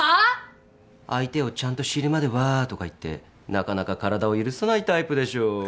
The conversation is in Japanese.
相手をちゃんと知るまではとか言ってなかなか体を許さないタイプでしょう。